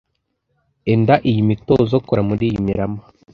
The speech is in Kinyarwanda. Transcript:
enda iyi mitozo kora muri iyi mirama